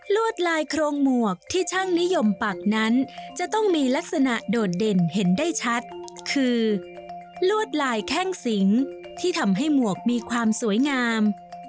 วดลายโครงหมวกที่ช่างนิยมปักนั้นจะต้องมีลักษณะโดดเด่นเห็นได้ชัดคือลวดลายแข้งสิงที่ทำให้หมวกมีความสวยงาม